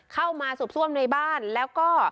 เข้ามาสูบซ่วมในบ้านแล้วก็